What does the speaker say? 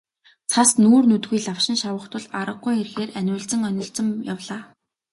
Цас нүүр нүдгүй лавшин шавах тул аргагүйн эрхээр анивалзан онилзон явлаа.